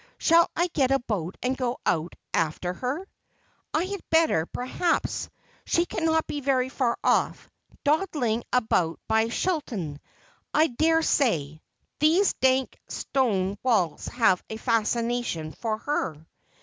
' Shall I get a boat and go after her ? I had better, perhaps ; she cannot be very far ofE — dawdling about by Chillon, I dare say. Those dank stone walls have a fascination for her.'